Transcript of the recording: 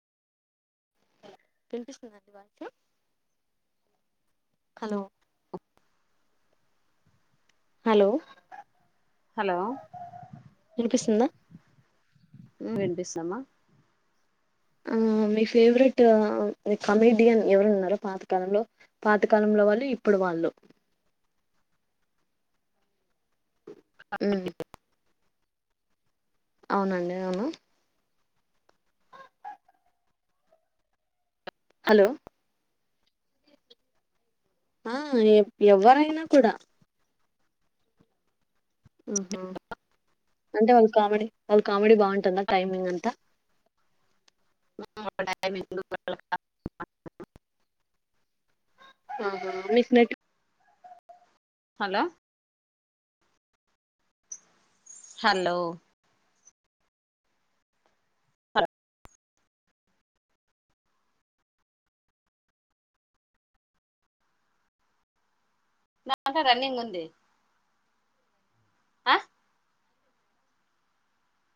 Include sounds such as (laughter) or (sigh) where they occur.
వినిపిస్తుందండి voice hello hello hello వినిపిస్తుందా వినిపిస్తుంది అమ్మ ఆ మీ ఫేవరెట్ కమెడియన్ ఎవరు ఉన్నారో పాత కాలంలో పాతకాలంలో వాళ్ళు ఇప్పుడు వాళ్ళు ఉ అవునండి అవును హలో ఆ ఎవ్వరైనా కూడా ఆహ అంటే వాళ్ళు కామెడీ వాళ్ళు కామెడీ బాగుంటదా టైమింగ్ అంతా (inaudible) ఉహు ముక్నెట్ హలో హలో నాక రన్నింగ్ ఉంది ఆ